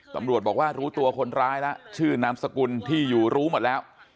ตำรวจบอกว่ารู้ตัวคนร้ายแล้วชื่อนามสกุลที่อยู่รู้หมดแล้ว